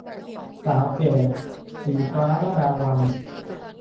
สาวแก่ - ศรีฟ้า ลดาวัลย์